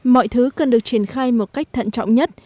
mọi thứ cần được triển khai một cách thận trọng nhất